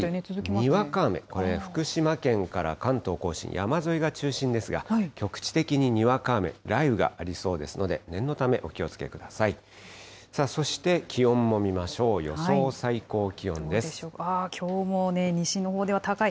にわか雨、これ、福島県から関東甲信、山沿いが中心ですが、局地的ににわか雨、雷雨がありそうですので、念のためお気をつけください。